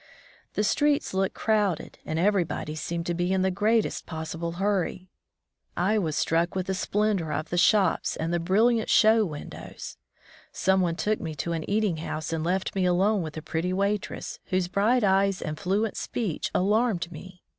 The streets looked crowded and everybody seemed to be in the greatest possible hurry. I was 51 From the Deep Woods to Civilization struck with the splendor of the shops and the briUiant show windows. Some one took me to an eating house and left me alone with the pretty waitress, whose bright eyes and fluent speech alarmed me.